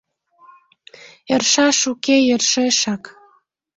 Ӧршаш уке йӧршешак.